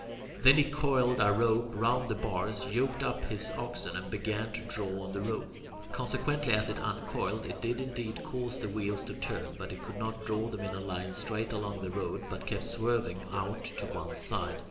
Then he coiled a rope round the bars, yoked up his oxen, and began to draw on the rope. Consequently as it uncoiled, it did indeed cause the wheels to turn, but it could not draw them in a line straight along the road, but kept swerving out to one side.